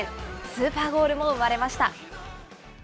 スーパーゴールも生まれました。